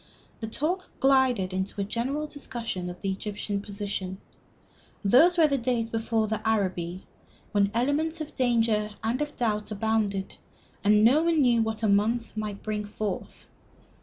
The talk glided into a general discussion of the Egyptian position. Those were the days before Arabi, when elements of danger and of doubt abounded, and none knew what a month might bring forth.